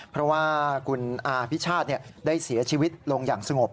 เพราะว่าคุณอาพิชาติได้เสียชีวิตลงอย่างสงบ